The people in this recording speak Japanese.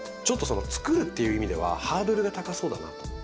ちょっとそのつくるっていう意味ではハードルが高そうだなと。